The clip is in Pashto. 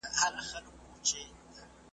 کار انسان ته وقار ورکوي.